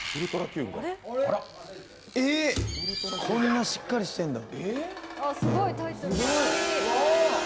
こんなしっかりしてるんだ。